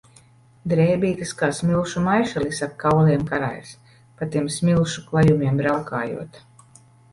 Drēbītes kā smilšu maišelis ap kauliem karājas, pa tiem smilšu klajumiem braukājot.